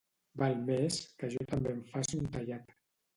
Val més que jo també em faci un tallat.